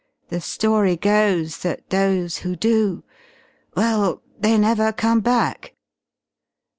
The story goes that those who do well they never come back."